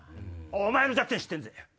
お前の弱点知ってんぜ。